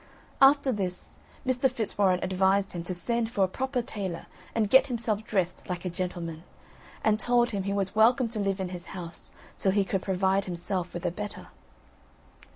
After this Mr. Fitzwarren advised him to send for a proper tailor and get himself dressed like a gentleman; and told him he was welcome to live in his house till he could provide himself with a better.